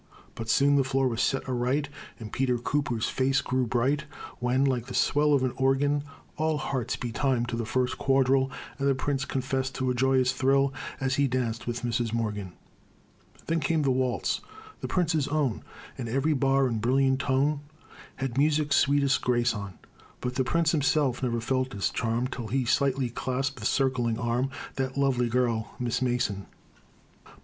But soon the floor was set aright, And Peter Cooper's face grew bright, When, like the swell of an organ, All hearts beat time to the first quadrille, And the prince confessed to a joyous thrill As he danced with Mrs. Morgan. Then came the waltz the Prince's Own And every bar and brilliant tone Had music's sweetest grace on; But the prince himself ne'er felt its charm Till he slightly clasped, with circling arm, That lovely girl, Miss Mason. But ah!